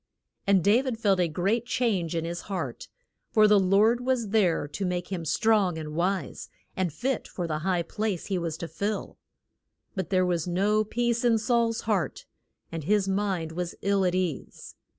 And Da vid felt a great change in his heart, for the Lord was there to make him strong and wise, and fit for the high place he was to fill. But there was no peace in Saul's heart, and his mind was ill at ease.